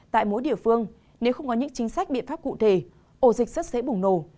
tại mỗi địa phương nếu không có những chính sách biện pháp cụ thể ổ dịch rất dễ bùng nổ